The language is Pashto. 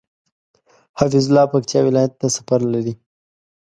حفيظ الله پکتيا ولايت ته سفر لري